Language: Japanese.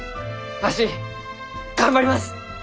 わし頑張ります！